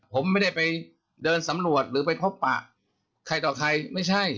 ผมไม่ได้ไปเดินสำรวจหรือไปพบปะใครต่อใครไม่ใช่